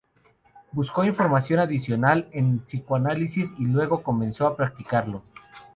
Buscó formación adicional en psicoanálisis, y luego comenzó a practicarlo.